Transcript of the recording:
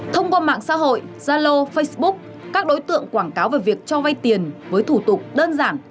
thông qua mạng xã hội zalo facebook các đối tượng quảng cáo về việc cho vay tiền với thủ tục đơn giản